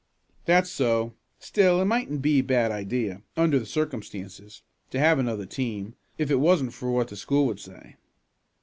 "That's so. Still it mightn't be a bad idea, under the circumstances, to have another team, if it wasn't for what the school would say."